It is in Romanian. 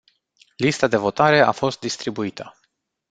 Lista de votare a fost distribuită.